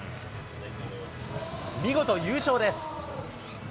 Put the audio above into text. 見事優勝です。